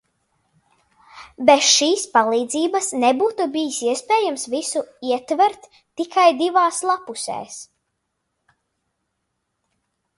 Bez šīs palīdzības nebūtu bijis iespējams visu ietvert tikai divās lappusēs.